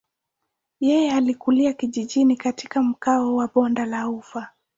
Yeye alikulia kijijini katika mkoa wa bonde la ufa.